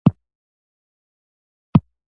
پوست دفاع کوي.